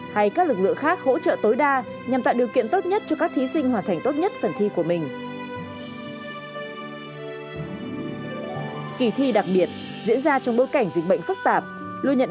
hay các lực lượng khác hỗ trợ tối đa nhằm tạo điều kiện tốt nhất cho các thí sinh hoàn thành tốt nhất phần thi của mình